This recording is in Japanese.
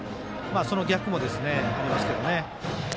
その逆もありますけどね。